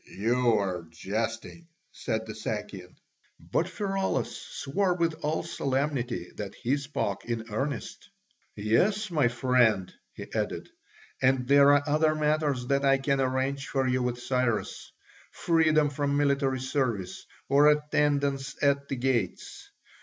"You are jesting," said the Sakian. But Pheraulas swore with all solemnity that he spoke in earnest. "Yes, my friend," he added, "and there are other matters that I can arrange for you with Cyrus: freedom from military service or attendance at the gates.